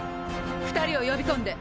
２人を呼び込んで。